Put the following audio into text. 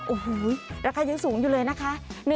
โอ้โหราคายังสูงอยู่เลยนะคะ